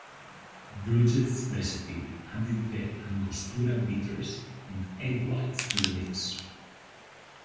Bruiget's recipe added the Angostura bitters and egg whites to the mix.